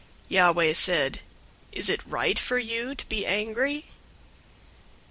004:004 Yahweh said, "Is it right for you to be angry?"